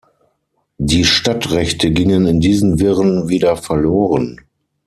Die Stadtrechte gingen in diesen Wirren wieder verloren.